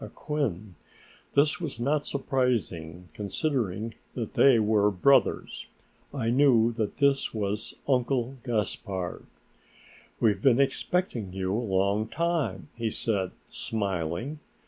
Acquin. This was not surprising, considering that they were brothers. I knew that this was Uncle Gaspard. "We've been expecting you a long time," he said, smiling.